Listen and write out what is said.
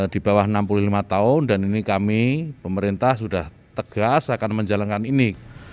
di bawah enam puluh lima tahun dan ini kami pemerintah sudah tegas akan menjalankan ini